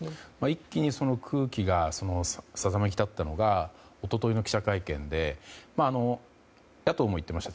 一気に空気がさざめき立ったのが一昨日の記者会見で野党も言っていました。